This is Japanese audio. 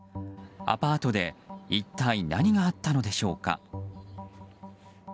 アパートで一体何があったのでしょうか？